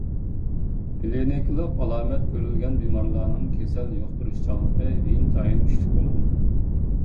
كىلىنىكىلىق ئالامەت كۆرۈلگەن بىمارلارنىڭ كېسەل يۇقتۇرۇشچانلىقى ئىنتايىن كۈچلۈك بولىدۇ.